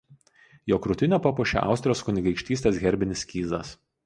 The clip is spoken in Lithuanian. Jo krūtinę papuošė Austrijos kunigaikštystės herbinis skydas.